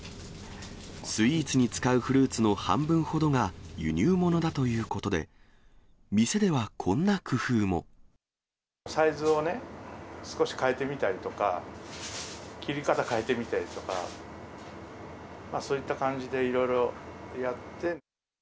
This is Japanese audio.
スイーツに使うフルーツの半分ほどが輸入物だということで、サイズをね、少し変えてみたりとか、切り方変えてみたりとか、そういった感じでいろいろやって。